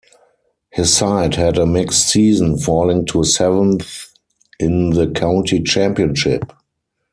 His side had a mixed season, falling to seventh in the County Championship.